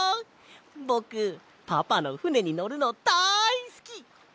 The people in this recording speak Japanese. ぼくパパのふねにのるのだいすき！